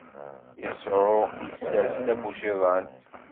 Yasuɛ isers tabuciḍant.